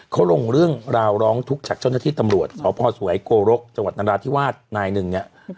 เขาลงเรื่องราวร้องทุกข์จากเจ้าหน้าที่ตำรวจสพสวยโกรกจังหวัดนราธิวาสนายหนึ่งเนี่ย